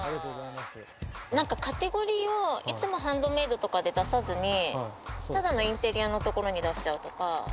なんか、カテゴリーを、いつもハンドメイドとかで出さずに、ただのインテリアのところに出しちゃうとか。